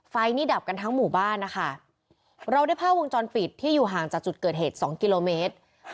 ไฟนี่ดับกันทั้งหมู่บ้านนะคะเราได้ภาพวงจรปิดที่อยู่ห่างจากจุดเกิดเหตุสองกิโลเมตร